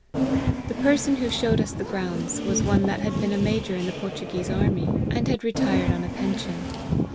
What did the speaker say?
The person who showed us the grounds, was one that had been a major in the Portuguese army, and had LIFE OF HENRY MARTYN. 61 retired on a pension.